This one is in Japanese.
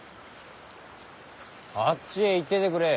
あっちへ行っててくれ。